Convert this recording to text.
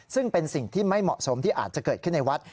ซึ่งเป็นสิ่งที่ไม่เหมาะสมที่อาจจะเกิดขึ้นในวัด